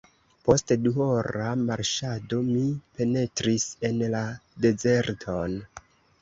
Post duhora marŝado, mi penetris en la dezerton.